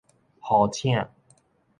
呼請